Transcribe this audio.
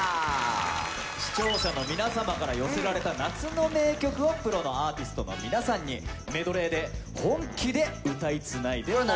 視聴者の皆様から寄せられた夏の名曲をプロのアーティストの皆さんにメドレーで本気で歌いつないでもらいます